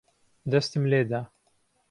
دەستم لێ دا.